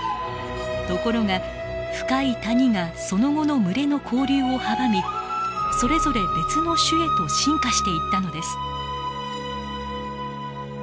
ところが深い谷がその後の群れの交流を阻みそれぞれ別の種へと進化していったのです。